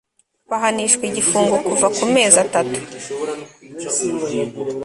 bahanishwa igifungo kuva ku mezi atatu